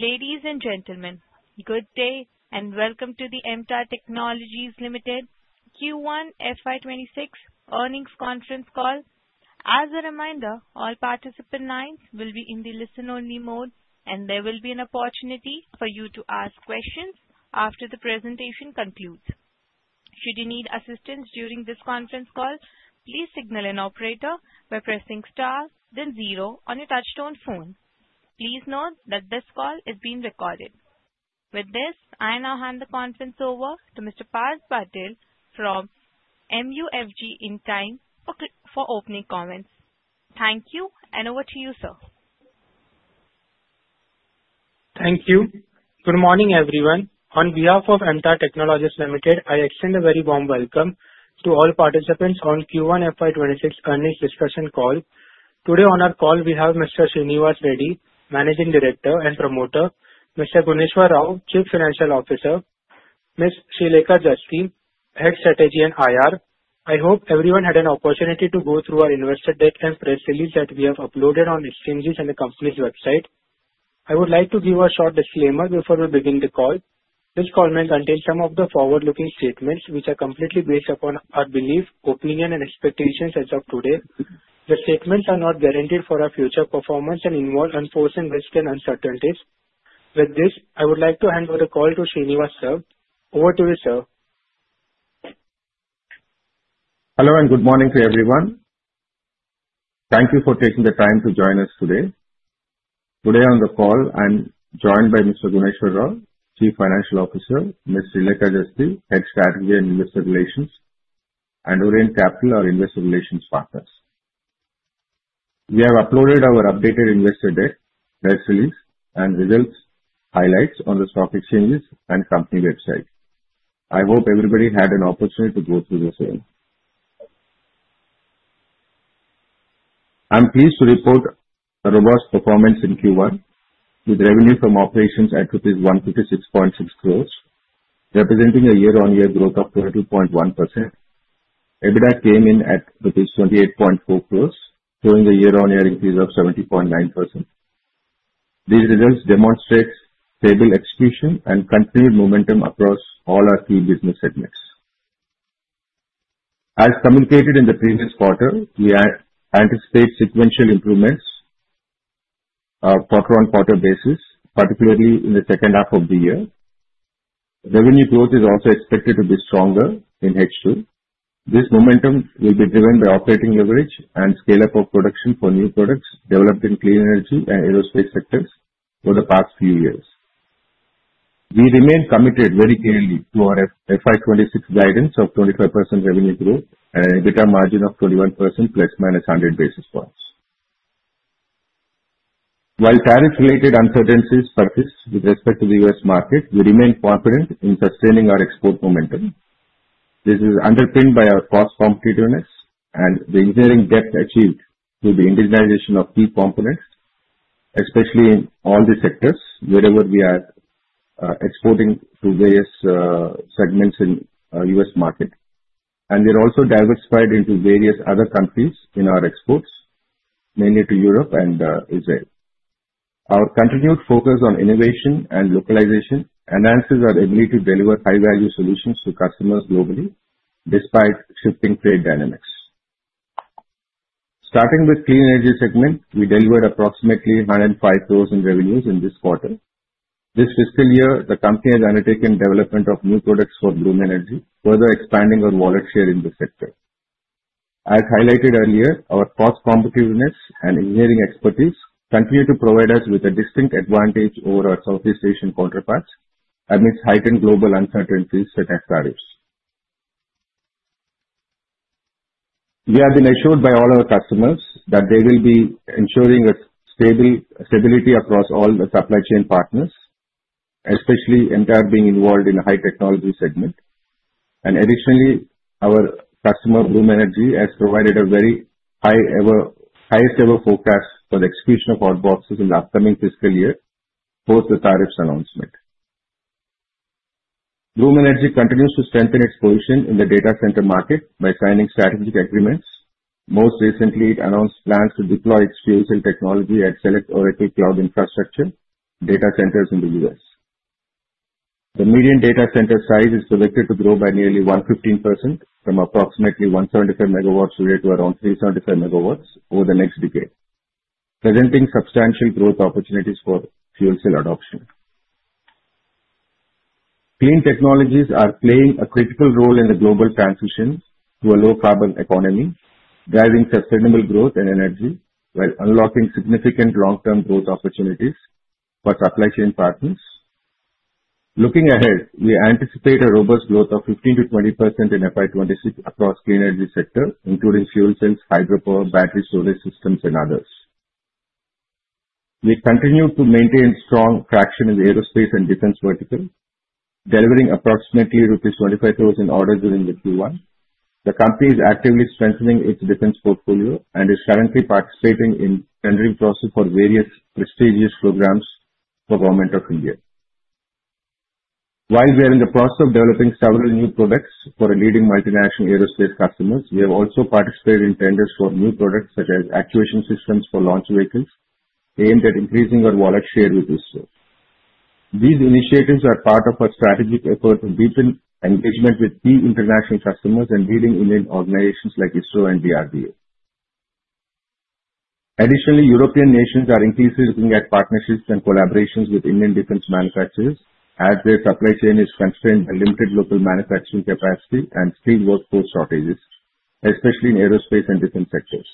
Ladies and gentlemen, good day and welcome to the MTAR Technologies Limited Q1 FY26 earnings conference call. As a reminder, all participant lines will be in the listen-only mode, and there will be an opportunity for you to ask questions after the presentation concludes. Should you need assistance during this conference call, please signal an operator by pressing star, then zero on your touch-tone phone. Please note that this call is being recorded. With this, I now hand the conference over to Mr. Parag Patil from MUFG in time for opening comments. Thank you, and over to you, sir. Thank you. Good morning, everyone. On behalf of MTAR Technologies Limited, I extend a very warm welcome to all participants on Q1 FY26 earnings discussion call. Today on our call, we have Mr. Srinivas Reddy, Managing Director and Promoter, Mr. Gunneswara Rao, Chief Financial Officer, Ms. Srilekha Jasthi, Head Strategy and IR. I hope everyone had an opportunity to go through our investor deck and press release that we have uploaded on Exchanges and the company's website. I would like to give a short disclaimer before we begin the call. This call may contain some of the forward-looking statements, which are completely based upon our belief, opinion, and expectations as of today. The statements are not guaranteed for our future performance and involve unforeseen risks and uncertainties. With this, I would like to hand over the call to Srinivas sir. Over to you, sir. Hello and good morning to everyone. Thank you for taking the time to join us today. Today on the call, I'm joined by Mr. Gunneswara Rao, Chief Financial Officer, Ms. Srilekha Jasthi, Head of Strategy and Investor Relations, and Orient Capital, our Investor Relations Partners. We have uploaded our updated investor deck, press release, and results highlights on the stock exchanges and company website. I hope everybody had an opportunity to go through this earnings. I'm pleased to report a robust performance in Q1, with revenue from operations at rupees 156.6 crores, representing a year-on-year growth of 22.1%. EBITDA came in at rupees 28.4 crores, showing a year-on-year increase of 70.9%. These results demonstrate stable execution and continued momentum across all our key business segments. As communicated in the previous quarter, we anticipate sequential improvements on a quarter-on-quarter basis, particularly in the second half of the year. Revenue growth is also expected to be stronger in H2. This momentum will be driven by operating leverage and scale-up of production for new products developed in Clean Energy and aerospace sectors over the past few years. We remain committed very clearly to our FY26 guidance of 25% revenue growth and an EBITDA margin of 21% plus/minus 100 basis points. While tariff-related uncertainties persist with respect to the U.S. market, we remain confident in sustaining our export momentum. This is underpinned by our cost competitiveness and the engineering depth achieved through the indigenization of key components, especially in all the sectors wherever we are exporting to various segments in the U.S. market. And we're also diversified into various other countries in our exports, mainly to Europe and Israel. Our continued focus on innovation and localization enhances our ability to deliver high-value solutions to customers globally despite shifting trade dynamics. Starting with the Clean Energy segment, we delivered approximately ₹105 crores in revenues in this quarter. This fiscal year, the company has undertaken development of new products for Bloom Energy, further expanding our wallet share in the sector. As highlighted earlier, our cost competitiveness and engineering expertise continue to provide us with a distinct advantage over our Southeast Asian counterparts amidst heightened global uncertainties such as tariffs. We have been assured by all our customers that they will be ensuring a stable stability across all the supply chain partners, especially MTAR being involved in the high-technology segment, and additionally, our customer Bloom Energy has provided a very highest-ever forecast for the execution of our Hot Boxes in the upcoming fiscal year, post the tariffs announcement. Bloom Energy continues to strengthen its position in the data center market by signing strategic agreements. Most recently, it announced plans to deploy its fuel cell technology at select Oracle Cloud Infrastructure data centers in the U.S. The median data center size is projected to grow by nearly 115% from approximately 175 megawatts today to around 375 megawatts over the next decade, presenting substantial growth opportunities for fuel cell adoption. Clean technologies are playing a critical role in the global transition to a low-carbon economy, driving sustainable growth and energy while unlocking significant long-term growth opportunities for supply chain partners. Looking ahead, we anticipate a robust growth of 15% to 20% in FY26 across the Clean Energy sector, including fuel cells, hydropower, battery storage systems, and others. We continue to maintain strong traction in the Aerospace and Defense vertical, delivering approximately rupees 25,000 orders during the Q1. The company is actively strengthening its defense portfolio and is currently participating in tendering processes for various prestigious programs for the government of India. While we are in the process of developing several new products for leading multinational aerospace customers, we have also participated in tenders for new products such as actuation systems for launch vehicles aimed at increasing our wallet share with ISRO. These initiatives are part of our strategic effort to deepen engagement with key international customers and leading Indian organizations like ISRO and the DRDO. Additionally, European nations are increasingly looking at partnerships and collaborations with Indian defense manufacturers as their supply chain is constrained by limited local manufacturing capacity and skilled workforce shortages, especially in Aerospace and Defense sectors.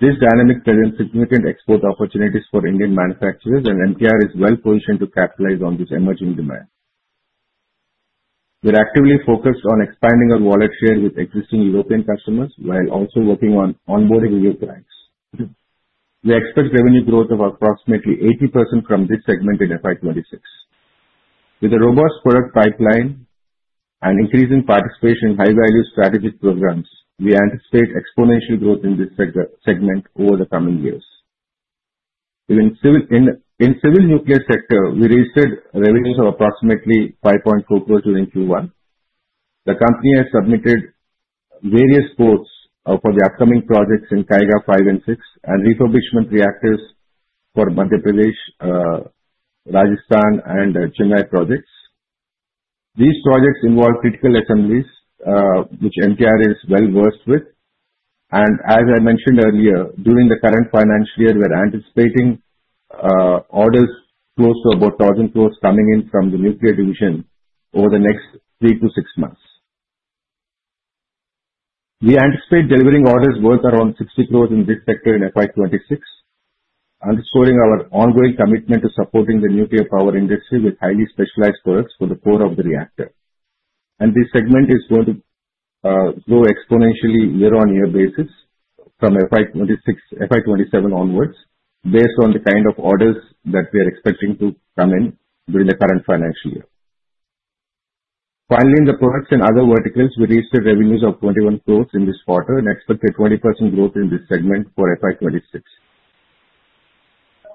This dynamic presents significant export opportunities for Indian manufacturers, and MTAR is well-positioned to capitalize on this emerging demand. We are actively focused on expanding our wallet share with existing European customers while also working on onboarding new clients. We expect revenue growth of approximately 80% from this segment in FY26. With a robust product pipeline and increasing participation in high-value strategic programs, we anticipate exponential growth in this segment over the coming years. In the Civil Nuclear sector, we registered revenues of approximately ₹5.4 crores during Q1. The company has submitted various quotes for the upcoming projects in Kaiga-5 and 6 and refurbishment reactors for Madhya Pradesh, Rajasthan, and Chennai projects. These projects involve critical assemblies, which MTAR is well-versed with. As I mentioned earlier, during the current financial year, we are anticipating orders close to about ₹1,000 coming in from the nuclear division over the next 3 to 6 months. We anticipate delivering orders worth around ₹60 crores in this sector in FY26, underscoring our ongoing commitment to supporting the nuclear power industry with highly specialized products for the core of the reactor. And this segment is going to grow exponentially year-on-year basis from FY27 onwards, based on the kind of orders that we are expecting to come in during the current financial year. Finally, in the Products and other verticals, we registered revenues of ₹21 crores in this quarter and expect a 20% growth in this segment for FY26.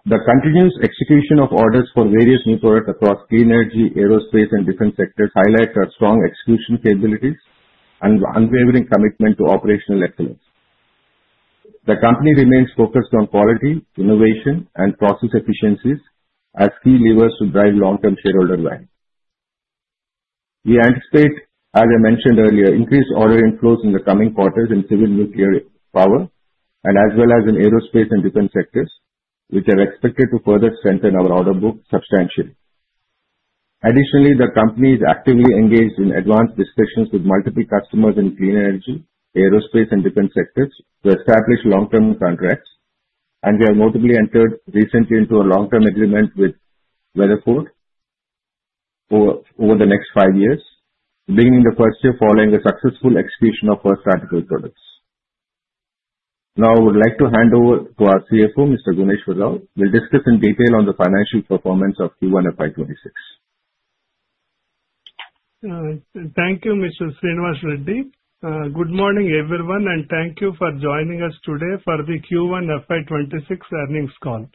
The continuous execution of orders for various new products across Clean Energy, aerospace, and defense sectors highlights our strong execution capabilities and unwavering commitment to operational excellence. The company remains focused on quality, innovation, and process efficiencies as key levers to drive long-term shareholder value. We anticipate, as I mentioned earlier, increased order inflows in the coming quarters in Civil Nuclear power and as well as in Aerospace and Defense sectors, which are expected to further strengthen our order book substantially. Additionally, the company is actively engaged in advanced discussions with multiple customers in Clean Energy, aerospace, and defense sectors to establish long-term contracts. We have notably entered recently into a long-term agreement with Weatherford over the next five years, beginning the first year following the successful execution of First Article products. Now, I would like to hand over to our Chief Financial Officer, Mr. Gunneswara Rao, who will discuss in detail the financial performance of Q1 FY26. Thank you, Mr. Srinivas Reddy. Good morning, everyone, and thank you for joining us today for the Q1 FY26 earnings call.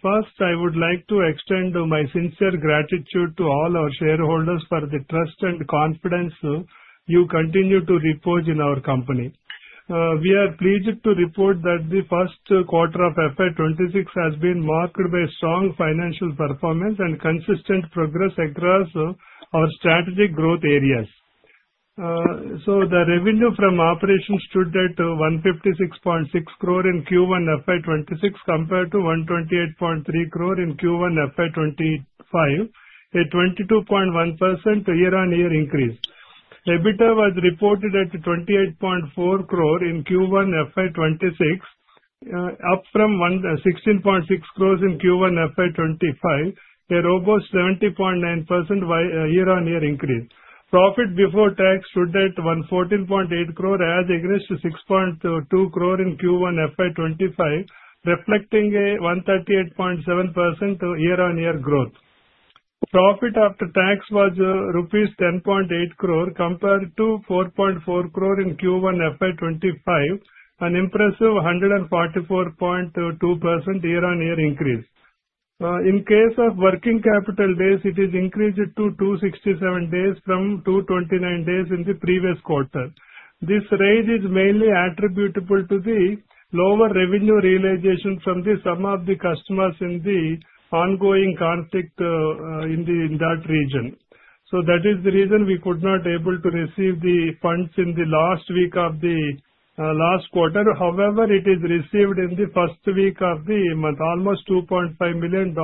First, I would like to extend my sincere gratitude to all our shareholders for the trust and confidence you continue to repose in our company. We are pleased to report that the Q1 of FY26 has been marked by strong financial performance and consistent progress across our strategic growth areas. So, the revenue from operations stood at 156.6 crore in Q1 FY26 compared to 128.3 crore in Q1 FY25, a 22.1% year-on-year increase. EBITDA was reported at 28.4 crore in Q1 FY26, up from 16.6 crore in Q1 FY25, a robust 70.9% year-on-year increase. Profit before tax stood at 114.8 crore as against 6.2 crore in Q1 FY25, reflecting a 138.7% year-on-year growth. Profit after tax was rupees 10.8 crore compared to 4.4 crore in Q1 FY25, an impressive 144.2% year-on-year increase. In case of working capital days, it is increased to 267 days from 229 days in the previous quarter. This rise is mainly attributable to the lower revenue realization from some of the customers in the ongoing conflict in that region. So, that is the reason we could not be able to receive the funds in the last week of the last quarter. However, it is received in the first week of the month. Almost $2.5 million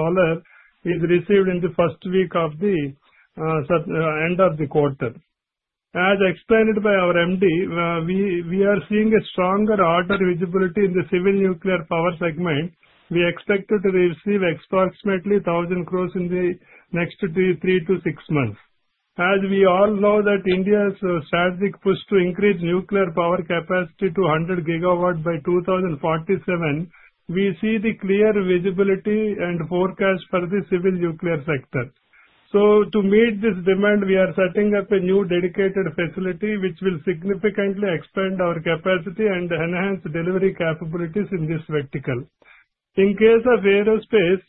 is received in the first week of the end of the quarter. As explained by our MD, we are seeing a stronger order visibility in the Civil Nuclear power segment. We expect to receive approximately 1,000 crores in the next 3 to 6 months. As we all know that India's strategic push to increase nuclear power capacity to 100 gigawatts by 2047, we see the clear visibility and forecast for the Civil Nuclear sector. So, to meet this demand, we are setting up a new dedicated facility, which will significantly expand our capacity and enhance delivery capabilities in this vertical. In case of aerospace,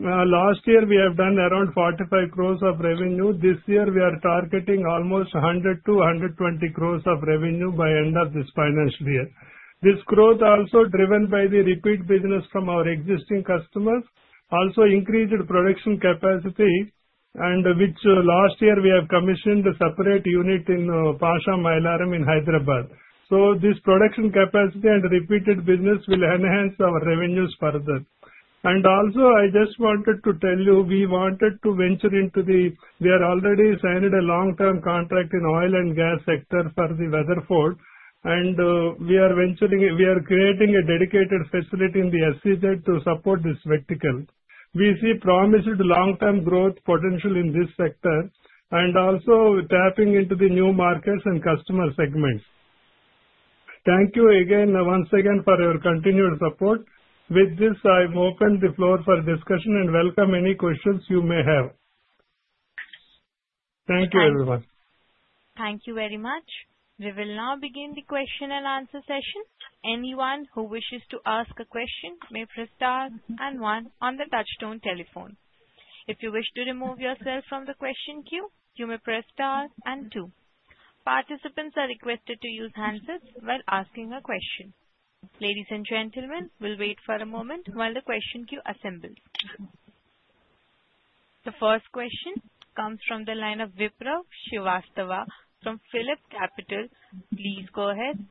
last year we have done around 45 crores of revenue. This year, we are targeting almost 100 to 120 crores of revenue by the end of this financial year. This growth, also driven by the repeat business from our existing customers, also increased production capacity, and which last year we have commissioned a separate unit in Pashamylaram in Hyderabad. So, this production capacity and repeated business will enhance our revenues further. And also, I just wanted to tell you, we wanted to venture into the... We have already signed a long-term contract in the Oil and Gas sector for Weatherford, and we are venturing... We are creating a dedicated facility in the SEZ to support this vertical. We see promised long-term growth potential in this sector and also tapping into the new markets and customer segments. Thank you again, once again, for your continued support. With this, I've opened the floor for discussion and welcome any questions you may have. Thank you, everyone. Thank you very much. We will now begin the question and answer session. Anyone who wishes to ask a question may press stars and one on the touch-tone telephone. If you wish to remove yourself from the question queue, you may press stars and two. Participants are requested to use handsets while asking a question. Ladies and gentlemen, we'll wait for a moment while the question queue assembles. The first question comes from the line of Vipraw Srivastava from PhillipCapital. Please go ahead.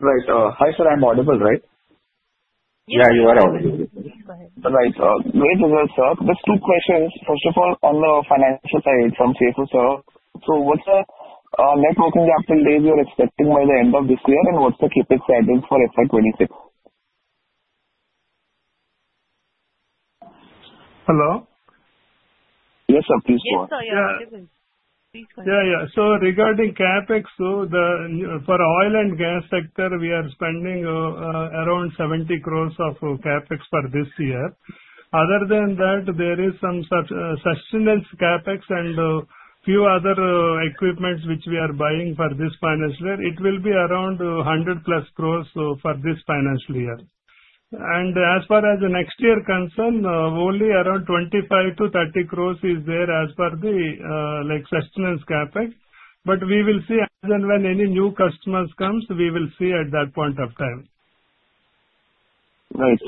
Right. Hi, sir. I'm audible, right? Yes. Yeah, you are audible. Yes, go ahead. Right. Great result, sir. Just two questions. First of all, on the financial side from CFO, sir. So, what's the net working capital days you're expecting by the end of this year, and what's the CapEx target for FY26? Hello? Yes, sir. Please go ahead. Yes, sir. Yeah, please go ahead. Yeah, yeah. So, regarding CapEx, for oil and gas sector, we are spending around ₹70 crores of CapEx for this year. Other than that, there is some sustenance CapEx and a few other equipments which we are buying for this financial year. It will be around ₹100 plus crores for this financial year. And as far as next year concerned, only around ₹25 to ₹30 crores is there as per the sustenance CapEx. But we will see as and when any new customers come, we will see at that point of time. Right.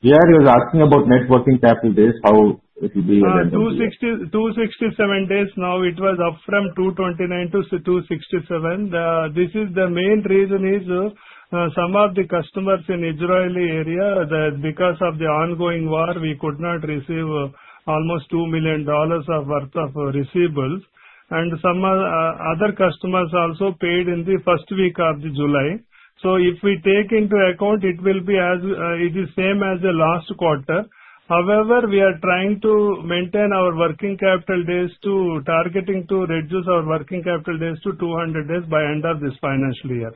Yeah, he was asking about net working capital days, how it will be? 267 days. Now, it was up from 229 to 267. This is the main reason is some of the customers in Israel, because of the ongoing war, we could not receive almost $2 million worth of receivables. And some other customers also paid in the first week of July. So, if we take into account, it will be as it is same as the last quarter. However, we are trying to maintain our working capital days to targeting to reduce our working capital days to 200 days by the end of this financial year.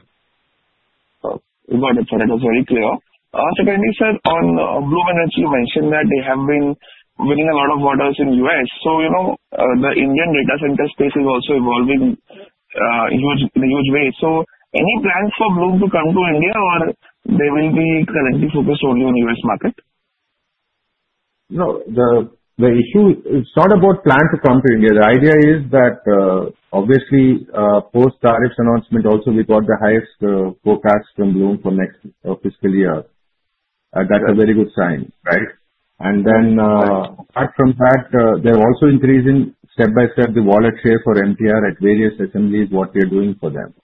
Well, you got it. That is very clear. Sir, on Bloom Energy, you mentioned that they have been winning a lot of orders in the U.S. So, you know the Indian data center space is also evolving in a huge way. So, any plans for Bloom to come to India, or they will be currently focused only on the U.S. market? No, the issue is not about plans to come to India. The idea is that, obviously, post-tariffs announcement, also we got the highest forecast from Bloom for next fiscal year. That's a very good sign, right? And then, apart from that, they're also increasing step by step the wallet share for MTAR at various assemblies, what they're doing for them.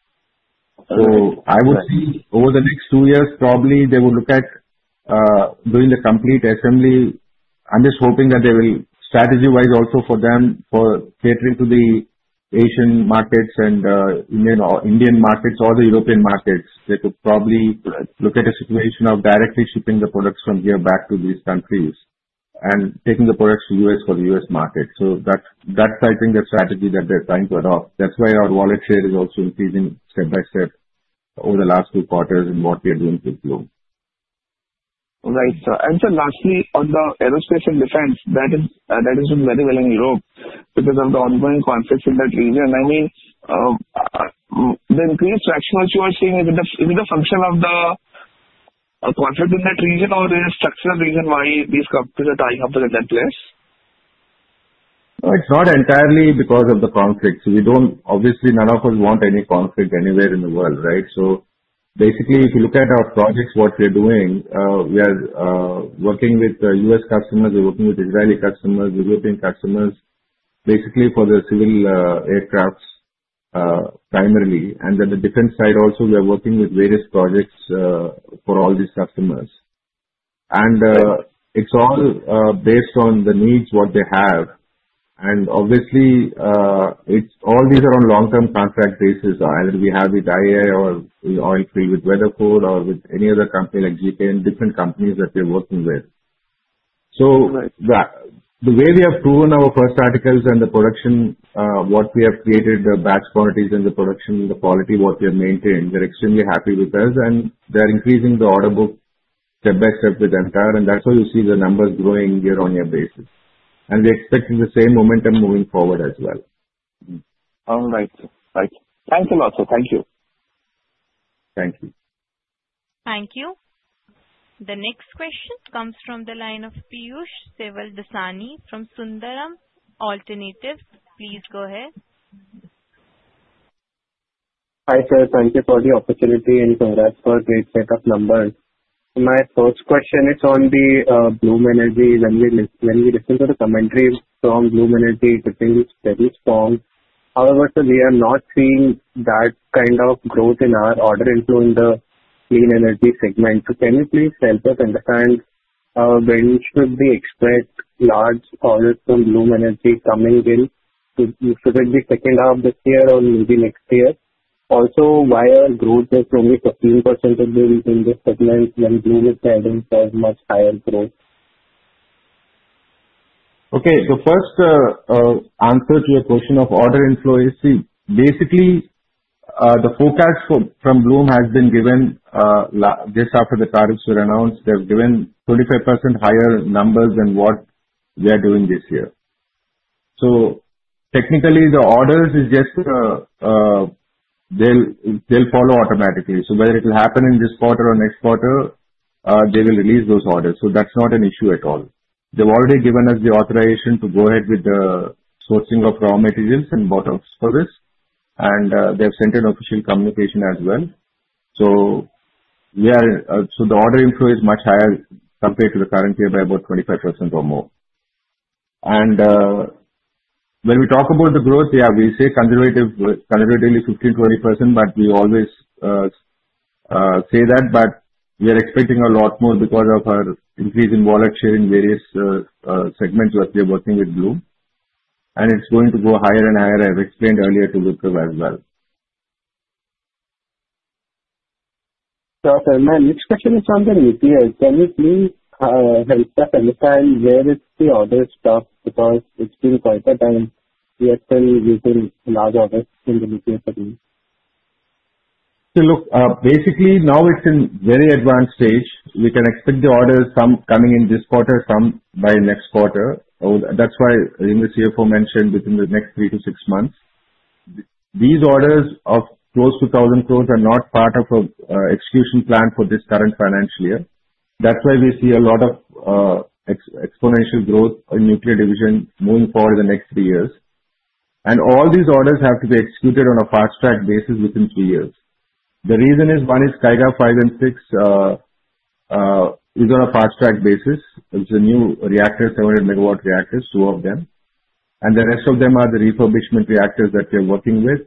So, I would see over the next two years, probably they will look at doing the complete assembly. I'm just hoping that they will, strategy-wise also for them, for catering to the Asian markets and Indian markets or the European markets, they could probably look at a situation of directly shipping the products from here back to these countries and taking the products to the U.S. for the U.S. market. So, that's, I think, the strategy that they're trying to adopt. That's why our wallet share is also increasing step by step over the last two quarters in what we are doing with Bloom. Right. And sir, lastly, on the Aerospace and Defense, that has been very well in Europe because of the ongoing conflicts in that region. I mean, the increased fractional share you are seeing, is it a function of the conflict in that region, or is it a structural reason why these companies are tying up within that place? It's not entirely because of the conflict. So, we don't, obviously, none of us want any conflict anywhere in the world, right? So, basically, if you look at our projects, what we are doing, we are working with US customers, we're working with Israeli customers, with European customers, basically for the civil aircrafts primarily. And then the defense side also, we are working with various projects for all these customers. And it's all based on the needs what they have. And obviously, all these are on long-term contract basis, either we have with IAI or with oilfield, with Weatherford, or with any other company like GKN, different companies that we are working with. So, the way we have proven our first articles and the production, what we have created, the batch quantities and the production, the quality what we have maintained, they're extremely happy with us. And they're increasing the order book step by step with MTAR, and that's why you see the numbers growing year-on-year basis. And we're expecting the same momentum moving forward as well. All right. Thank you also. Thank you. Thank you. Thank you. The next question comes from the line of Piyush Sevaldasani from Sundaram Alternates. Please go ahead. Hi, sir. Thank you for the opportunity and congrats for a great set of numbers. My first question is on the Bloom Energy. When we listen to the commentary from Bloom Energy, it seems very strong. However, sir, we are not seeing that kind of growth in our order inflow in the Clean Energy segment. So, can you please help us understand when should we expect large orders from Bloom Energy coming in? Should it be second half of this year or maybe next year? Also, why our growth is only 15% in this segment when Bloom is having so much higher growth? Okay. The first answer to your question of order inflow is, basically, the forecast from Bloom has been given just after the tariffs were announced. They've given 25% higher numbers than what they are doing this year. So, technically, the orders is just they'll follow automatically. So, whether it will happen in this quarter or next quarter, they will release those orders. So, that's not an issue at all. They've already given us the authorization to go ahead with the sourcing of raw materials and bought-outs for this. And they've sent an official communication as well. So, the order inflow is much higher compared to the current year by about 25% or more. And when we talk about the growth, yeah, we say conservatively 15% to 20%, but we always say that. But we are expecting a lot more because of our increase in wallet share in various segments where we are working with Bloom. And it's going to go higher and higher. I've explained earlier to Viprav as well. Sir, my next question is on the nuclear. Can you please help us understand where the orders stand because it's been quite some time you have been pursuing large orders in the nuclear segment? So, look, basically, now it's in a very advanced stage. We can expect the orders some coming in this quarter, some by next quarter. That's why, as the CFO mentioned, within the next three to six months. These orders of close to 1,000 crores are not part of an execution plan for this current financial year. That's why we see a lot of exponential growth in nuclear division moving forward in the next three years. All these orders have to be executed on a fast-track basis within three years. The reason is one is Kaiga-5 and 6 is on a fast-track basis. It is a new reactor, 700 megawatt reactors, two of them. The rest of them are the refurbishment reactors that we are working with,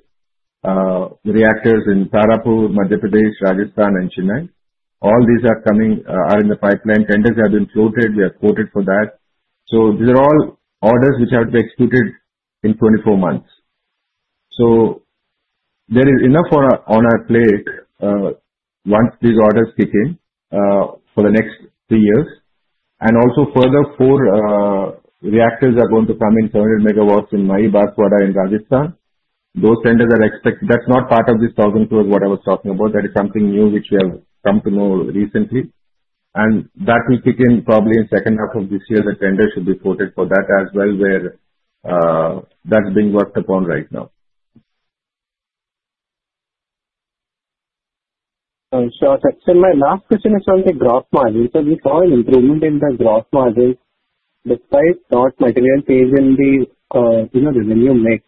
the reactors in Tarapur, Madhya Pradesh, Rajasthan, and Chennai. All these are coming, are in the pipeline. Tenders have been floated. We are quoted for that. These are all orders which have to be executed in 24 months. There is enough on our plate once these orders kick in for the next three years. Further four reactors are going to come in 700 megawatts in Mahi Banswara in Rajasthan. Those tenders are expected. That is not part of this ₹1,000 crores what I was talking about. That is something new which we have come to know recently, and that will kick in probably in the second half of this year. The tender should be quoted for that as well, where that's being worked upon right now. Sir, my last question is on the gross margin. Sir, we saw an improvement in the gross margin despite no material change in the revenue mix.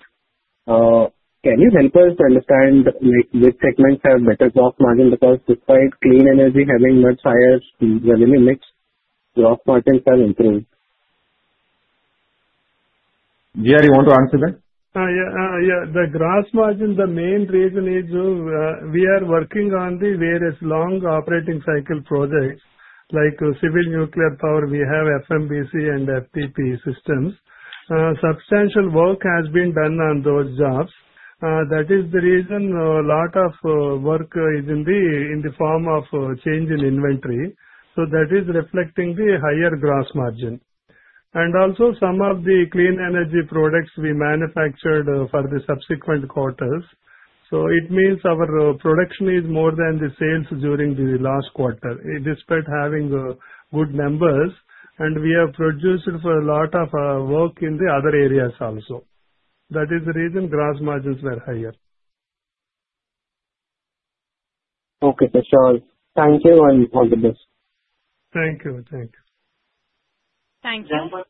Can you help us understand which segments have better gross margin because despite Clean Energy having much higher revenue mix, gross margins have improved? Yeah, do you want to answer that? Yeah. The gross margin, the main reason is we are working on the various long operating cycle projects like Civil Nuclear Power. We have FMBC and FTP systems. Substantial work has been done on those jobs. That is the reason a lot of work is in the form of change in inventory. So, that is reflecting the higher gross margin. And also, some of the Clean Energy products we manufactured for the subsequent quarters. So, it means our production is more than the sales during the last quarter, despite having good numbers. And we have produced for a lot of work in the other areas also. That is the reason gross margins were higher. Okay. Thank you and all the best. Thank you. Thank you. Thank you.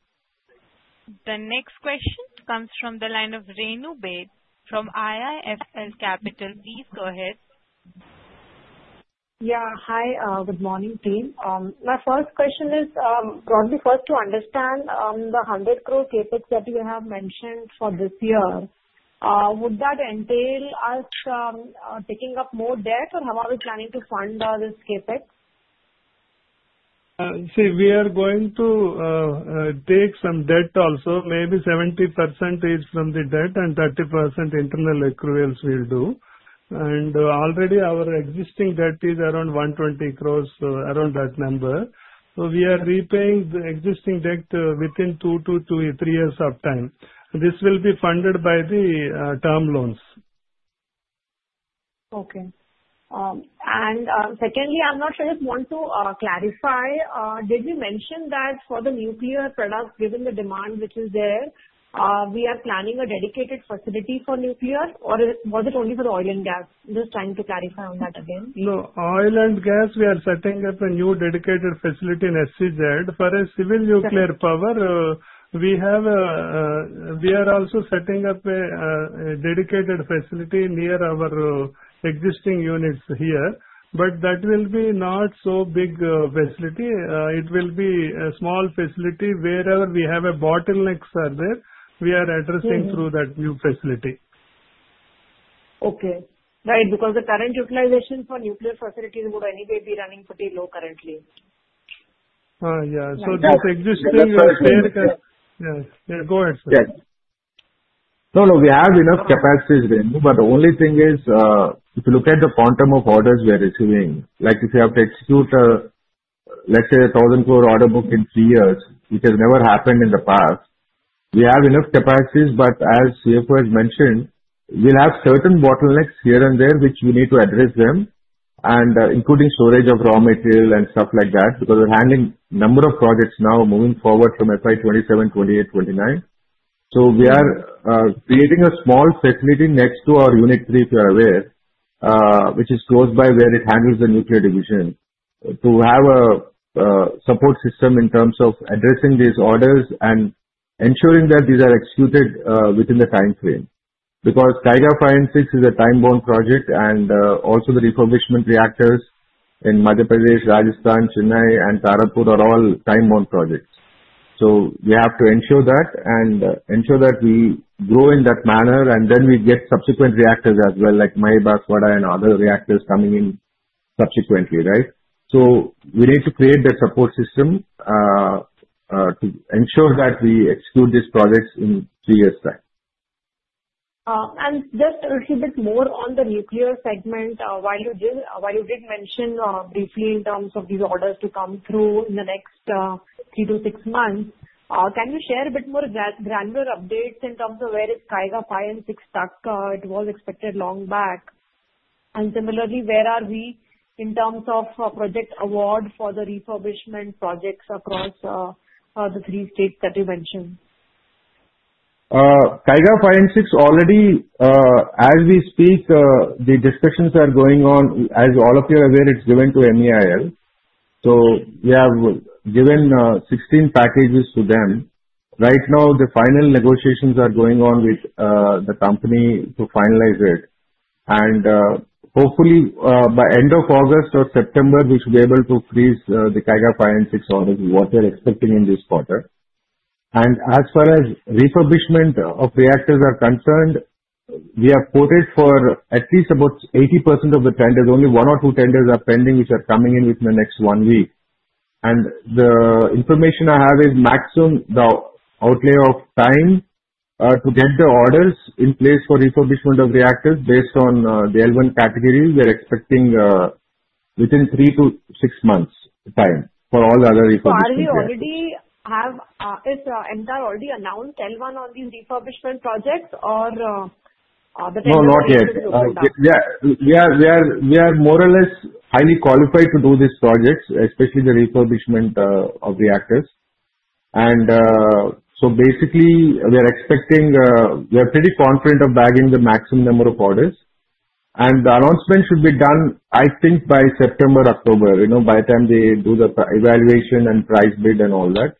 The next question comes from the line of Renu Baid from IIFL Securities. Please go ahead. Yeah. Hi. Good morning, team. My first question is, broadly first to understand the 100 crore CapEx that you have mentioned for this year, would that entail us taking up more debt, or how are we planning to fund this CapEx? See, we are going to take some debt also, maybe 70% is from the debt and 30% internal accruals we'll do. And already our existing debt is around 120 crores, around that number. So, we are repaying the existing debt within two to three years of time. This will be funded by the term loans. Okay. Secondly, I'm not sure. I just want to clarify. Did you mention that for the nuclear products, given the demand which is there, we are planning a dedicated facility for nuclear, or was it only for the oil and gas? Just trying to clarify on that again. Look, oil and gas, we are setting up a new dedicated facility in SEZ. For a Civil Nuclear Power, we are also setting up a dedicated facility near our existing units here. But that will be not so big facility. It will be a small facility wherever we have a bottleneck further. We are addressing through that new facility. Okay. Right. Because the current utilization for nuclear facilities would anyway be running pretty low currently. Yeah. So, this existing yeah. Go ahead, sir. No, no. We have enough capacities, Renu. But the only thing is, if you look at the quantum of orders we are receiving, like if you have to execute, let's say, a ₹1,000 crore order book in three years, which has never happened in the past, we have enough capacities. But as CFO has mentioned, we'll have certain bottlenecks here and there which we need to address them, including storage of raw material and stuff like that because we're handling a number of projects now moving forward from FY 2027, 2028, 2029. We are creating a small facility next to our Unit 3, if you're aware, which is close by where it handles the nuclear division, to have a support system in terms of addressing these orders and ensuring that these are executed within the time frame. Because Kaiga-5 and 6 is a time-bound project, and also the refurbishment reactors in Madhya Pradesh, Rajasthan, Chennai, and Tarapur are all time-bound projects. So, we have to ensure that and ensure that we grow in that manner, and then we get subsequent reactors as well, like Mahi Banswara and other reactors coming in subsequently, right? So, we need to create that support system to ensure that we execute these projects in three years' time. And just a little bit more on the nuclear segment. While you did mention briefly in terms of these orders to come through in the next three to six months, can you share a bit more granular updates in terms of where is Kaiga-5 and 6 stuck? It was expected long back. And similarly, where are we in terms of project award for the refurbishment projects across the three states that you mentioned? Kaiga-5 and 6 already, as we speak, the discussions are going on. As all of you are aware, it's given to MEIL. So, we have given 16 packages to them. Right now, the final negotiations are going on with the company to finalize it. And hopefully, by end of August or September, we should be able to freeze the Kaiga-5 and 6 orders, what we're expecting in this quarter. And as far as refurbishment of reactors are concerned, we have quoted for at least about 80% of the tenders. Only one or two tenders are pending which are coming in within the next one week. And the information I have is maximum outlay of time to get the orders in place for refurbishment of reactors based on the L1 category. We're expecting within three to six months' time for all the other refurbishments. Has MTAR already announced L1 on these refurbishment projects or the tender? No, not yet. We are more or less highly qualified to do these projects, especially the refurbishment of reactors. And so, basically, we are expecting. We are pretty confident of bagging the maximum number of orders. And the announcement should be done, I think, by September, October, by the time they do the evaluation and price bid and all that,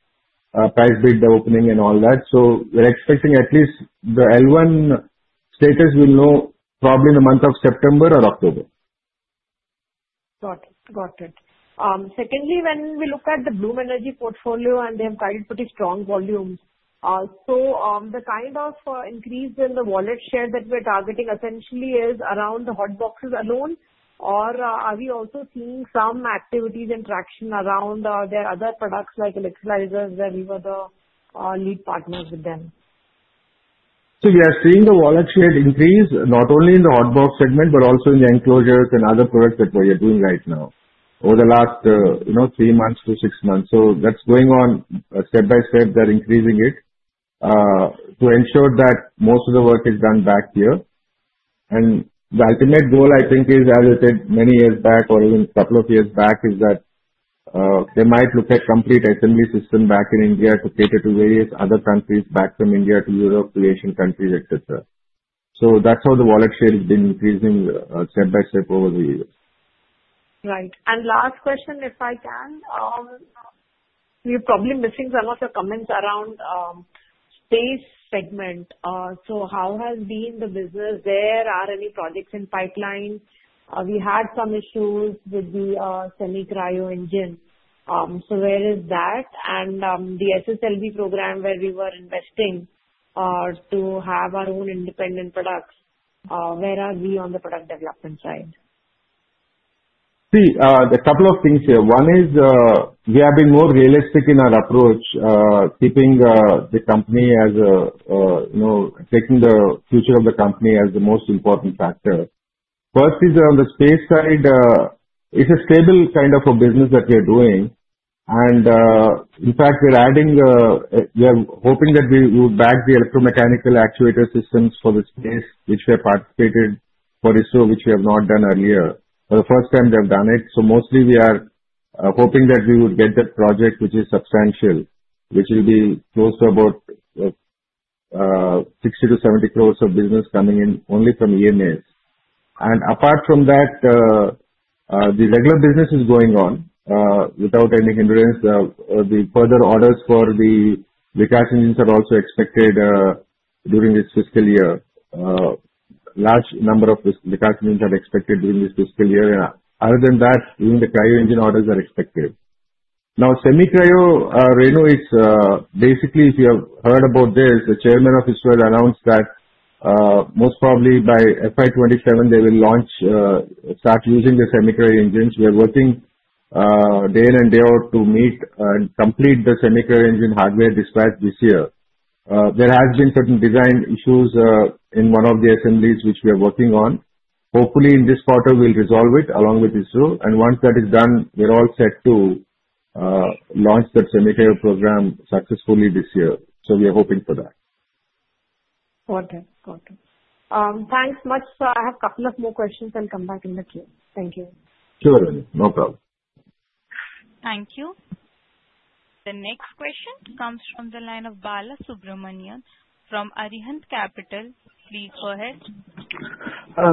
price bid, the opening, and all that. So, we're expecting at least the L1 status we'll know probably in the month of September or October. Got it. Got it. Secondly, when we look at the Bloom Energy portfolio and they have quite pretty strong volumes, so the kind of increase in the wallet share that we're targeting essentially is around the hot boxes alone, or are we also seeing some activities and traction around their other products like electrolyzers where we were the lead partners with them? Yeah, seeing the wallet share increase, not only in the Hot box segment, but also in the enclosures and other products that we are doing right now over the last three months to six months. That's going on step by step. They're increasing it to ensure that most of the work is done back here. The ultimate goal, I think, is, as I said many years back or even a couple of years back, that they might look at complete assembly system back in India to cater to various other countries back from India to Europe to Asian countries, etc. That's how the wallet share has been increasing step by step over the years. Right, and last question, if I can. We're probably missing some of your comments around space segment. So, how has been the business? Where are any projects in pipeline? We had some issues with the semi-cryo engine. So, where is that? And the SSLV program where we were investing to have our own independent products, where are we on the product development side? See, a couple of things here. One is we have been more realistic in our approach, keeping the company as taking the future of the company as the most important factor. First is on the space side, it's a stable kind of a business that we are doing. And in fact, we are hoping that we would bag the electromechanical actuator systems for the space, which we have participated for ISRO, which we have not done earlier. For the first time, they have done it. So, mostly, we are hoping that we would get that project, which is substantial, which will be close to about 60 to 70 crores of business coming in only from EMAs. And apart from that, the regular business is going on without any hindrance. The further orders for the cryogenic engines are also expected during this fiscal year. large number of cryogenic engines are expected during this fiscal year. Other than that, even the cryo engine orders are expected. Now, semi-cryo, Renu is basically, if you have heard about this, the chairman of ISRO has announced that most probably by FY 2027, they will launch, start using the semi-cryo engines. We are working day in and day out to meet and complete the semi-cryo engine hardware dispatch this year. There have been certain design issues in one of the assemblies which we are working on. Hopefully, in this quarter, we'll resolve it along with ISRO. And once that is done, we're all set to launch that semi-cryo program successfully this year. We are hoping for that. Got it. Got it. Thanks much. Sir, I have a couple of more questions and come back in the queue. Thank you. Sure, Renu. No problem. Thank you. The next question comes from the line of Bala Subramanian from Arihant Capital. Please go ahead.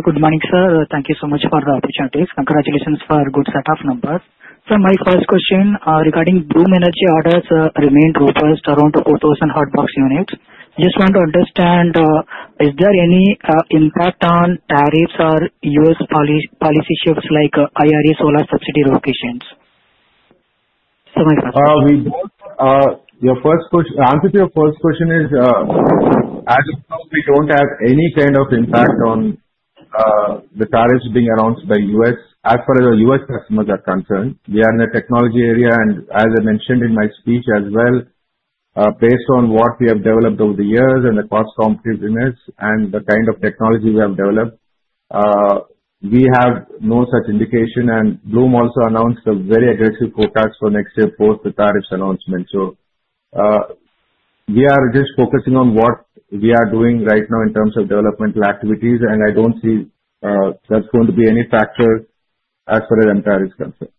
Good morning, sir. Thank you so much for the opportunity. Congratulations for a good set of numbers. Sir, my first question regarding Bloom Energy orders remained robust around 4,000 Hot Box units. Just want to understand, is there any impact on tariffs or U.S. policy shifts like IRA solar subsidy locations? So, my first question. Your first question, answer to your first question is, as of now, we don't have any kind of impact on the tariffs being announced by U.S. as far as the U.S. customers are concerned. We are in the technology area, and as I mentioned in my speech as well, based on what we have developed over the years and the cost competitiveness and the kind of technology we have developed, we have no such indication. And Bloom also announced a very aggressive forecast for next year post the tariffs announcement. So, we are just focusing on what we are doing right now in terms of developmental activities. And I don't see that's going to be any factor as far as MTAR is concerned.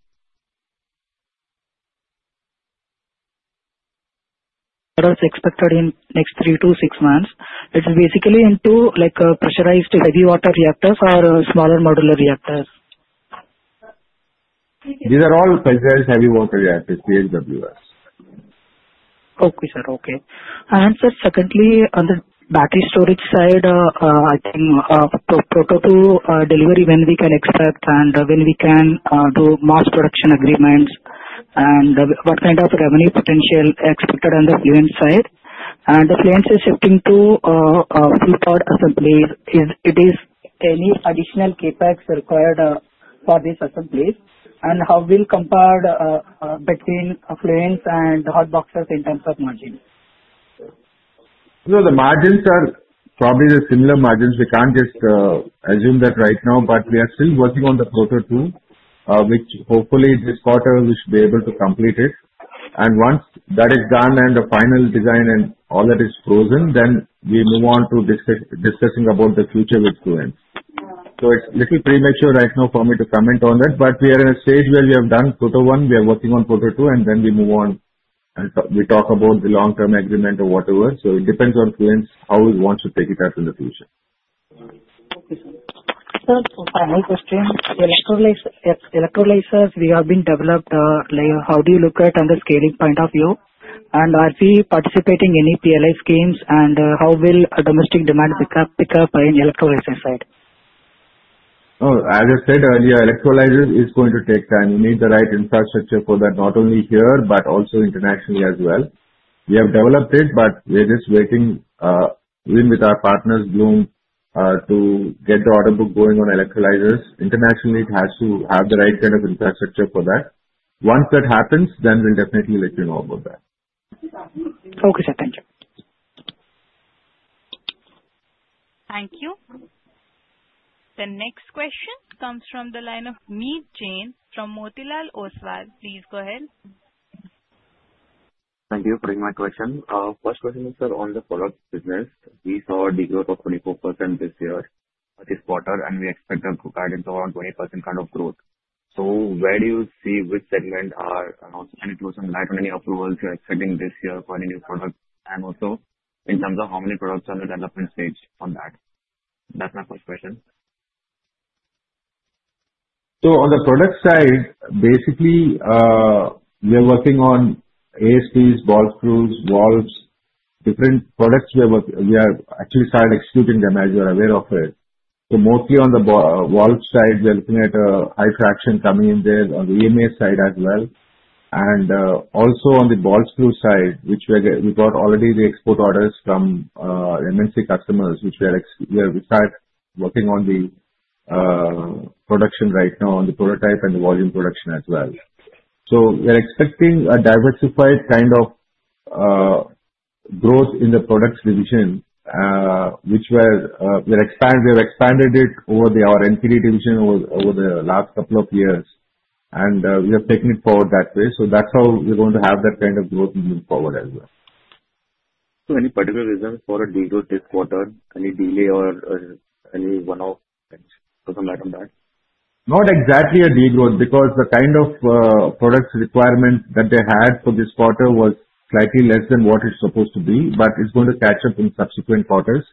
That was expected in the next 3 to 6 months. It's basically into pressurized heavy water reactors or Smaller Modular Reactors? These are all pressurized heavy water reactors, PHWRs. Okay, sir. Okay. And sir, secondly, on the battery storage side, I think proto to delivery when we can expect and when we can do mass production agreements and what kind of revenue potential expected on the Fluence side. And the Fluence is shifting to full-powered assemblies. Is there any additional CapEx required for these assemblies? And how will we compare between Fluence and Hot Boxes in terms of margin? The margins are probably the similar margins. We can't just assume that right now. But we are still working on the proto too, which hopefully this quarter we should be able to complete it. And once that is done and the final design and all that is frozen, then we move on to discussing about the future with Fluence. So, it's a little premature right now for me to comment on that. But we are in a stage where we have done proto one, we are working on proto two, and then we move on and we talk about the long-term agreement or whatever. So, it depends on Fluence how we want to take it out in the future. Okay, sir. Sir, final question. The electrolyzers, they have been developed. How do you look at it from the scaling point of view? And are we participating in any PLA schemes? And how will domestic demand pick up in electrolyzer side? As I said earlier, electrolyzer is going to take time. You need the right infrastructure for that, not only here but also internationally as well. We have developed it, but we are just waiting with our partners, Bloom, to get the order book going on electrolyzers. Internationally, it has to have the right kind of infrastructure for that. Once that happens, then we'll definitely let you know about that. Okay, sir. Thank you. Thank you. The next question comes from the line of Meet Jain from Motilal Oswal. Please go ahead. Thank you for taking my question. First question is, sir, on the product business, we saw de-growth of 24% this year, this quarter, and we expect to guide to around 20% kind of growth, so where do you see which segments are announced? Any clarity on any approvals you're expecting this year for any new products? And also, in terms of how many products are in the development stage on that? That's my first question. So, on the product side, basically, we are working on ASPs, ball screws, valves, different products. We have actually started executing them as you are aware of it. So, mostly on the valve side, we are looking at a high fraction coming in there on the EMA side as well. And also on the ball screw side, which we got already the export orders from MNC customers, which we are start working on the production right now on the prototype and the volume production as well. So, we are expecting a diversified kind of growth in the products division, which we have expanded it over our NPD division over the last couple of years. And we have taken it forward that way. So, that's how we're going to have that kind of growth moving forward as well. So, any particular reason for a degrowth this quarter? Any delay or any one-off things? Doesn't matter that? Not exactly a degrowth because the kind of products requirement that they had for this quarter was slightly less than what it's supposed to be, but it's going to catch up in subsequent quarters.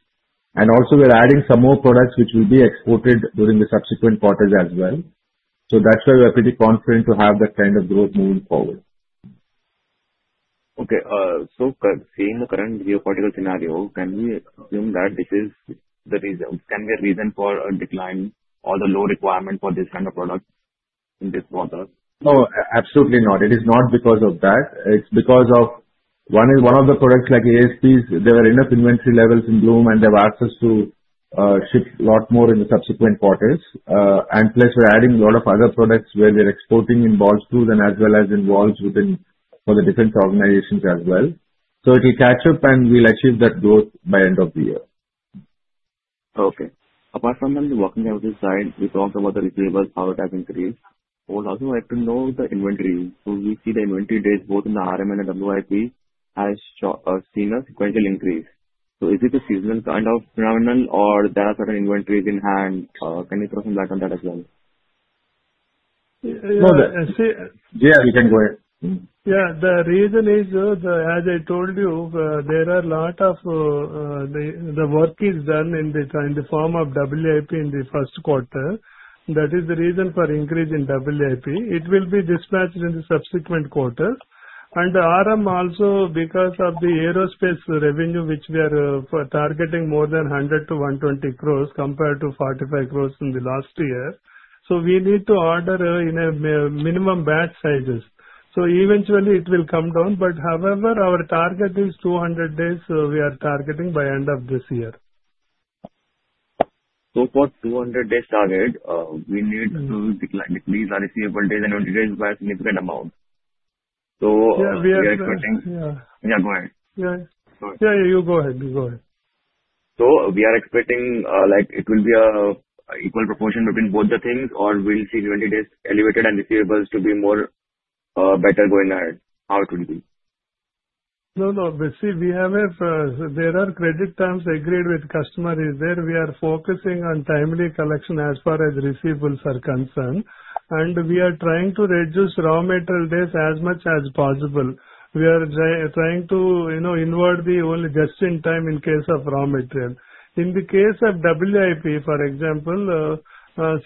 And also, we are adding some more products which will be exported during the subsequent quarters as well, so that's why we are pretty confident to have that kind of growth moving forward. Okay. Seeing the current geopolitical scenario, can we assume that this is the reason? Can be a reason for a decline or the low requirement for this kind of product in this quarter? No, absolutely not. It is not because of that. It's because of one of the products like ASPs, there are enough inventory levels in Bloom, and they have access to ship a lot more in the subsequent quarters. And plus, we're adding a lot of other products where we're exporting in ball screws and as well as in valves for the different organizations as well. So, it will catch up and we'll achieve that growth by end of the year. Okay. Apart from them, the working capital details, we talked about the receivables how it has increased. I would also like to know the inventory. So, we see the inventory days both in the RMN and WIP has seen a sequential increase. So, is it a seasonal kind of phenomenon or there are certain inventories in hand? Can you throw some light on that as well? Yeah, we can go ahead. Yeah. The reason is, as I told you, there are a lot of the work is done in the form of WIP in the Q1. That is the reason for increase in WIP. It will be dispatched in the subsequent quarter. And RM also, because of the aerospace revenue, which we are targeting more than 100 to 120 crores compared to 45 crores in the last year. So, we need to order in a minimum batch sizes. So, eventually, it will come down. But however, our target is 200 days we are targeting by end of this year. So, for 200 days target, we need to decline these receivable days and 20 days by a significant amount. So, we are expecting. Yeah. Yeah. Yeah. Go ahead. Yeah. Yeah. You go ahead. You go ahead. We are expecting it will be an equal proportion between both the things or we'll see 20 days elevated and receivables to be better going ahead? How it will be? No, no. See, we have. There are credit terms agreed with customers where we are focusing on timely collection as far as receivables are concerned. And we are trying to reduce raw material days as much as possible. We are trying to invert the only just-in-time in case of raw material. In the case of WIP, for example,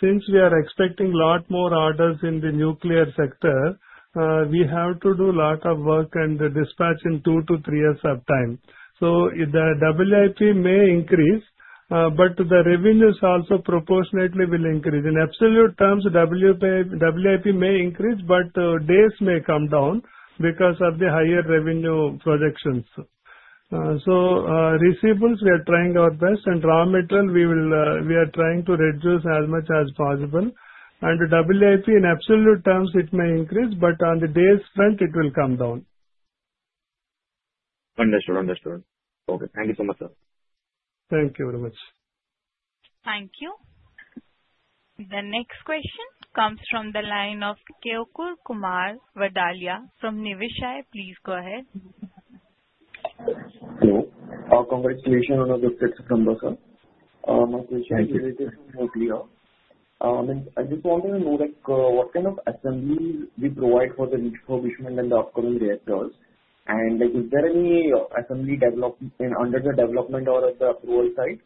since we are expecting a lot more orders in the nuclear sector, we have to do a lot of work and dispatch in two to three years of time. So, the WIP may increase, but the revenues also proportionately will increase. In absolute terms, WIP may increase, but days may come down because of the higher revenue projections. So, receivables, we are trying our best, and raw material, we are trying to reduce as much as possible. WIP, in absolute terms, it may increase, but on the days front, it will come down. Understood. Understood. Okay. Thank you so much, sir. Thank you very much. Thank you. The next question comes from the line of Keyur Vadalia from Niveshaay. Please go ahead. Hello. Congratulations on the success from this year. Thank you. I just wanted to know what kind of assemblies we provide for the refurbishment and the upcoming reactors, and is there any assembly under the development or at the approval site?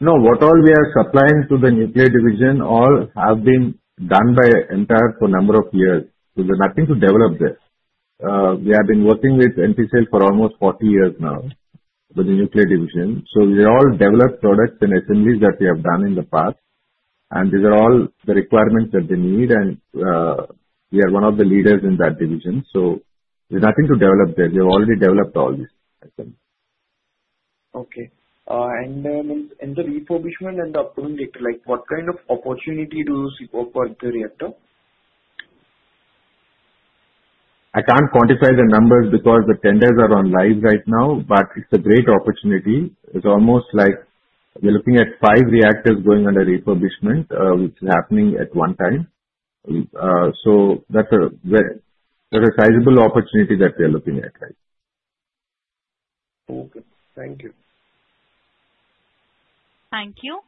No. What all we are supplying to the nuclear division all have been done by MTAR for a number of years. So, there's nothing to develop there. We have been working with NPCIL for almost 40 years now with the nuclear division. We all develop products and assemblies that we have done in the past. These are all the requirements that they need. We are one of the leaders in that division. There's nothing to develop there. We have already developed all these. Okay, and in the refurbishment and the upcoming reactor, what kind of opportunity do you see for the reactor? I can't quantify the numbers because the tenders are on live right now, but it's a great opportunity. It's almost like we're looking at five reactors going under refurbishment, which is happening at one time, so that's a sizable opportunity that we are looking at right now. Okay. Thank you. Thank you.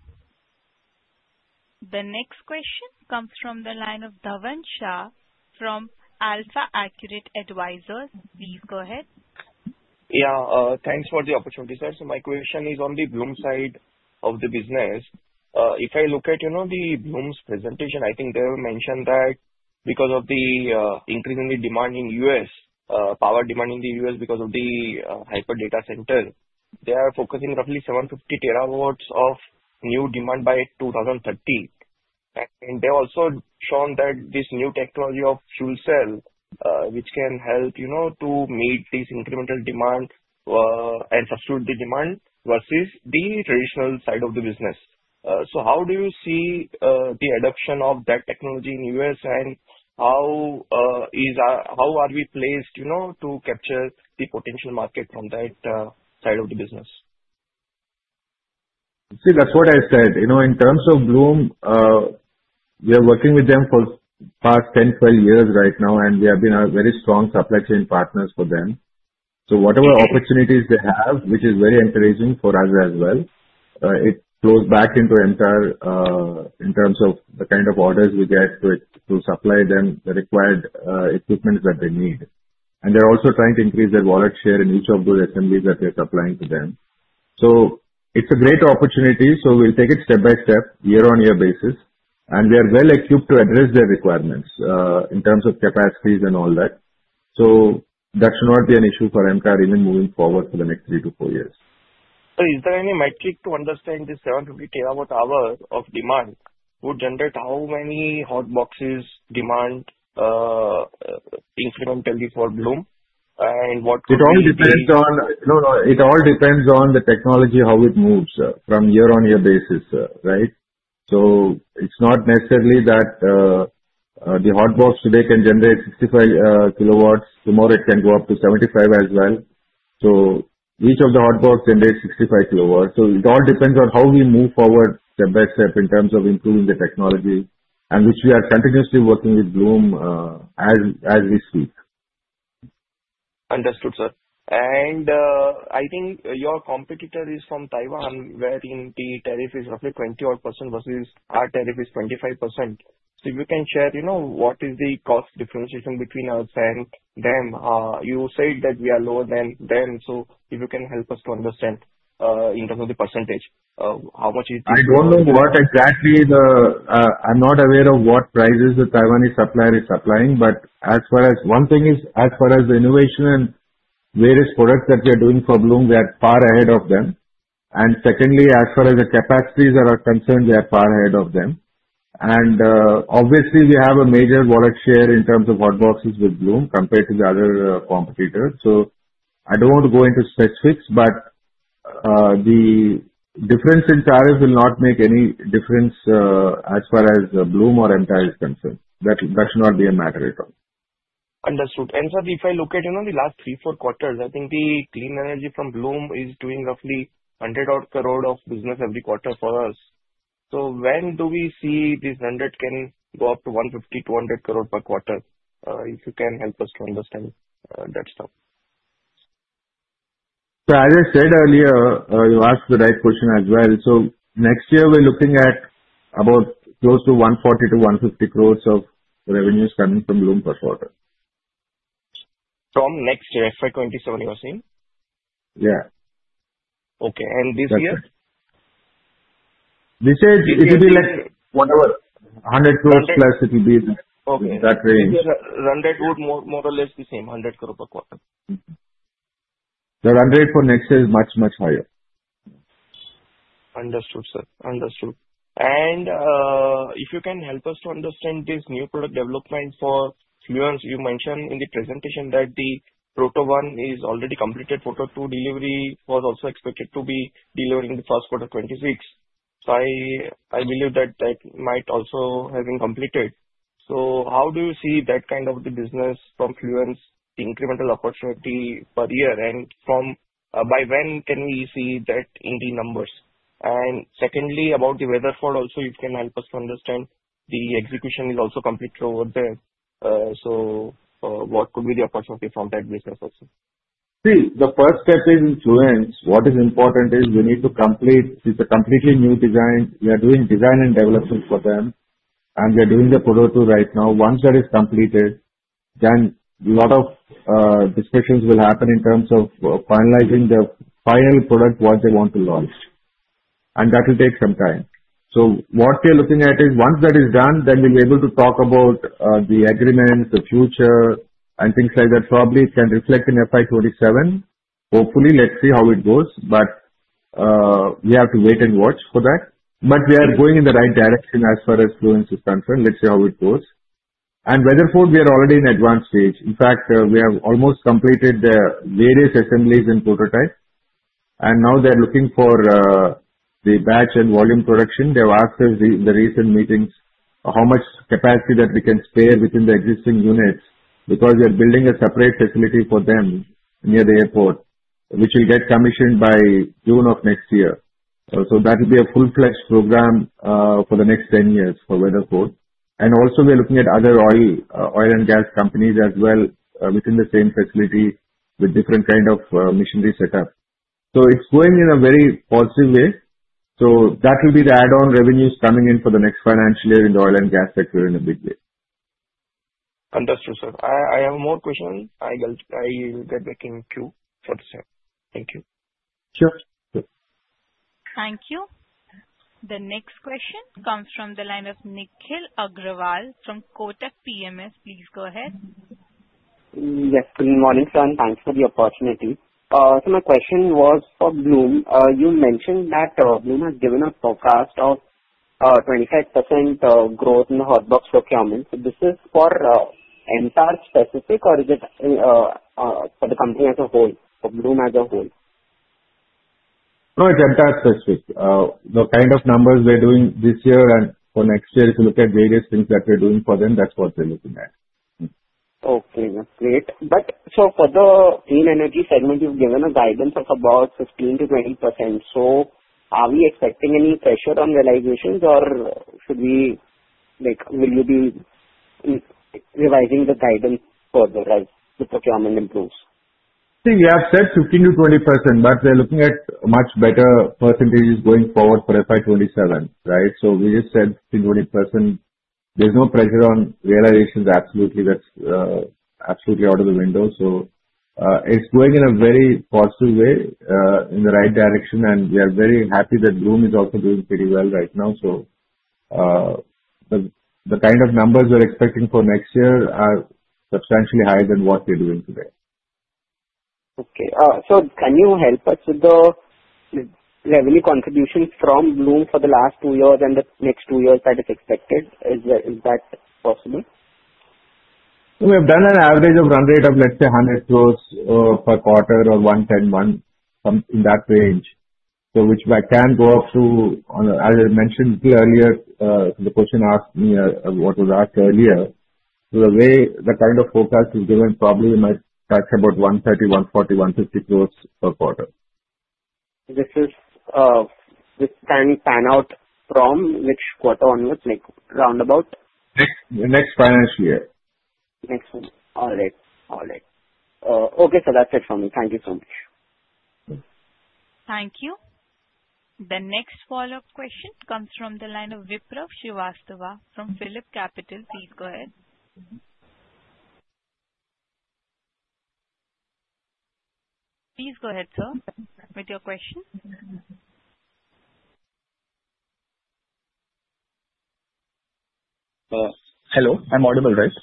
The next question comes from the line of Dhavan Shah from Alpha Accurate Advisors. Please go ahead. Yeah. Thanks for the opportunity, sir. So, my question is on the Bloom side of the business. If I look at the Bloom's presentation, I think they have mentioned that because of the increasing demand in U.S., power demand in the U.S. because of the hyperscale data center, they are focusing roughly 750 terawatts of new demand by 2030. And they also showed that this new technology of fuel cell, which can help to meet this incremental demand and substitute the demand versus the traditional side of the business. So, how do you see the adoption of that technology in the U.S.? And how are we placed to capture the potential market from that side of the business? See, that's what I said. In terms of Bloom, we are working with them for the past 10, 12 years right now, and we have been very strong supply chain partners for them. So, whatever opportunities they have, which is very encouraging for us as well, it flows back into MTAR in terms of the kind of orders we get to supply them the required equipment that they need. And they're also trying to increase their wallet share in each of those assemblies that we are supplying to them. So, it's a great opportunity. So, we'll take it step by step, year-on-year basis. And they are well equipped to address their requirements in terms of capacities and all that. So, that should not be an issue for MTAR even moving forward for the next three to four years. Sir, is there any metric to understand this 750 terawatt-hour of demand would generate how many hot boxes demand incrementally for Bloom? And what could be? It all depends on the technology, how it moves from year-on-year basis, right? So, it's not necessarily that the hot box today can generate 65 kilowatts. Tomorrow, it can go up to 75 as well. So, each of the hot box generates 65 kilowatts. So, it all depends on how we move forward step by step in terms of improving the technology, which we are continuously working with Bloom as we speak. Understood, sir. And I think your competitor is from Taiwan, wherein the tariff is roughly 20-odd% versus our tariff is 25%. So, if you can share what is the cost differentiation between us and them. You said that we are lower than them. So, if you can help us to understand in terms of the percentage, how much is? I'm not aware of what prices the Taiwanese supplier is supplying. But as far as the innovation and various products that we are doing for Bloom, we are far ahead of them. And secondly, as far as the capacities are concerned, we are far ahead of them. And obviously, we have a major wallet share in terms of hot boxes with Bloom compared to the other competitors. So, I don't want to go into specifics, but the difference in tariff will not make any difference as far as Bloom or MTAR is concerned. That should not be a matter at all. Understood. And sir, if I look at the last three, four quarters, I think the Clean Energy from Bloom is doing roughly ₹100-odd crore of business every quarter for us. So, when do we see this 100 can go up to ₹150 to ₹200 crore per quarter? If you can help us to understand that stuff. Sir, as I said earlier, you asked the right question as well. So, next year, we're looking at about close to 140 to 150 crores of revenues coming from Bloom per quarter. From next year, FY27, you are saying? Yeah. Okay. And this year? This year, it will be like 100 crores plus. It will be in that range. Okay. So, the run rate would more or less be same, 100 crore per quarter? The run rate for next year is much, much higher. Understood, sir. Understood. And if you can help us to understand this new product development for Fluence, you mentioned in the presentation that the Proto 1 is already completed. Proto 2 delivery was also expected to be delivered in the Q1 of 2026. So, I believe that that might also have been completed. So, how do you see that kind of the business from Fluence, the incremental opportunity per year? And by when can we see that in the numbers? And secondly, about the Weatherford also, if you can help us to understand the execution is also completely over there. So, what could be the opportunity from that business also? See, the first step is Fluence. What is important is we need to complete. It's a completely new design. We are doing design and development for them, and we are doing the Proto 2 right now. Once that is completed, then a lot of discussions will happen in terms of finalizing the final product what they want to launch. And that will take some time. So, what we are looking at is once that is done, then we'll be able to talk about the agreements, the future, and things like that. Probably it can reflect in FY27. Hopefully, let's see how it goes. But we have to wait and watch for that. But we are going in the right direction as far as Fluence is concerned. Let's see how it goes. And Weatherford, we are already in advanced stage. In fact, we have almost completed various assemblies and prototypes. Now they're looking for the batch and volume production. They have asked us in the recent meetings how much capacity that we can spare within the existing units because we are building a separate facility for them near the airport, which will get commissioned by June of next year. That will be a full-fledged program for the next 10 years for Weatherford. We are looking at other oil and gas companies as well within the same facility with different kind of machinery setup. It's going in a very positive way. That will be the add-on revenues coming in for the next financial year in the oil and gas sector in a big way. Understood, sir. I have more questions. I will get back in queue for the same. Thank you. Sure. Thank you. The next question comes from the line of Nikhil Agrawal from Kotak PMS. Please go ahead. Yes. Good morning, sir. And thanks for the opportunity. So, my question was for Bloom. You mentioned that Bloom has given a forecast of 25% growth in the hot box procurement. So, this is for MTAR specific, or is it for the company as a whole, for Bloom as a whole? No, it's MTAR specific. The kind of numbers we're doing this year and for next year, if you look at various things that we're doing for them, that's what we're looking at. Okay. That's great. But so, for the Clean Energy segment, you've given a guidance of about 15% to 20%. So, are we expecting any pressure on realizations, or will you be revising the guidance further as the procurement improves? See, we have said 15% to 20%, but we're looking at much better percentages going forward for FY27, right? So, we just said 15% to 20%. There's no pressure on realizations, absolutely. That's absolutely out of the window. So, it's going in a very positive way in the right direction. And we are very happy that Bloom is also doing pretty well right now. So, the kind of numbers we're expecting for next year are substantially higher than what we're doing today. Okay. So, can you help us with the revenue contribution from Bloom for the last two years and the next two years that is expected? Is that possible? We have done an average run rate of, let's say, 100 crores per quarter or 110 to 111 in that range, which can go up to, as I mentioned earlier, the question asked me what was asked earlier. So, the kind of forecast we've given probably might touch about 130 to 150 crores per quarter. This can pan out from which quarter onwards? Roundabout? Next financial year. Next year. All right. All right. Okay. So, that's it from me. Thank you so much. Thank you. The next follow-up question comes from the line of Vipraw Srivastava from PhillipCapital. Please go ahead. Please go ahead, sir, with your question. Hello. I'm audible, right?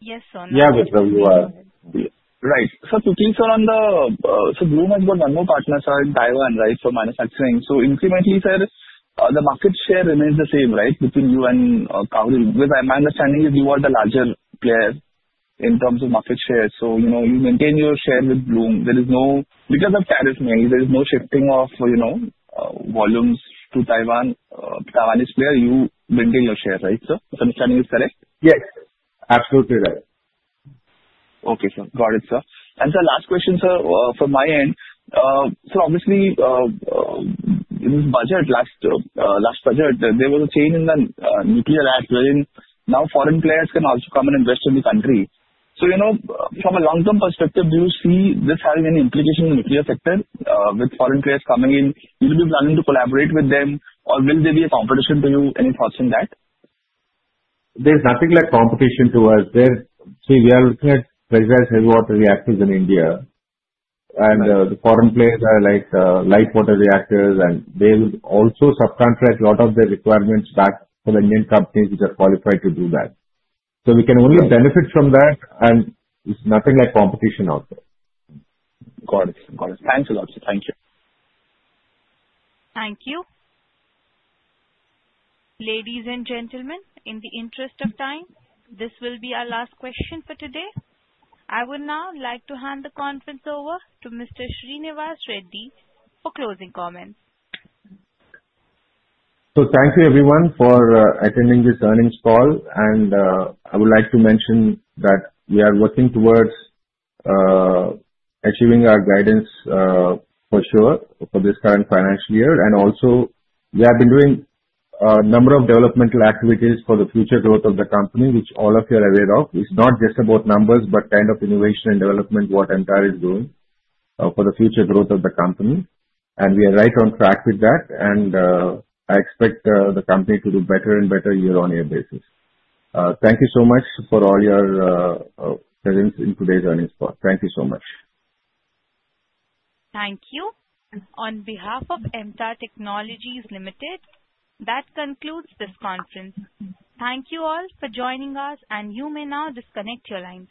Yes, sir. Yeah, Vipraw, you are right. So, to keep on the so, Bloom has got one more partner, sir, in Taiwan, right, for manufacturing. So, incrementally, sir, the market share remains the same, right, between you and Kaori. Because my understanding is you are the larger player in terms of market share. So, you maintain your share with Bloom. There is no because of tariffs, there is no shifting of volumes to Taiwan. Taiwanese player, you maintain your share, right, sir? My understanding is correct? Yes. Absolutely right. Okay, sir. Got it, sir. And sir, last question, sir, from my end. Sir, obviously, in this budget, last budget, there was a change in the nuclear act. Now, foreign players can also come and invest in the country. So, from a long-term perspective, do you see this having any implication in the nuclear sector with foreign players coming in? Will you be planning to collaborate with them, or will they be a competition to you? Any thoughts on that? There's nothing like competition to us. See, we are looking at pressurized heavy water reactors in India. And the foreign players are like light water reactors. And they would also subcontract a lot of the requirements back for the Indian companies which are qualified to do that. So, we can only benefit from that. And it's nothing like competition out there. Got it. Got it. Thanks a lot, sir. Thank you. Thank you. Ladies and gentlemen, in the interest of time, this will be our last question for today. I would now like to hand the conference over to Mr. Srinivas Reddy for closing comments. Thank you, everyone, for attending this earnings call. I would like to mention that we are working towards achieving our guidance for sure for this current financial year. We have also been doing a number of developmental activities for the future growth of the company, which all of you are aware of. It's not just about numbers, but kind of innovation and development, what MTAR is doing for the future growth of the company. We are right on track with that. I expect the company to do better and better year-on-year basis. Thank you so much for all your presence in today's earnings call. Thank you so much. Thank you. On behalf of MTAR Technologies Limited, that concludes this conference. Thank you all for joining us, and you may now disconnect your lines.